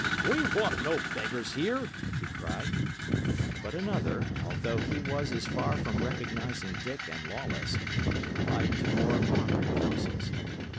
"We want no beggars here!" he cried. But another although he was as far from recognising Dick and Lawless inclined to more moderate counsels.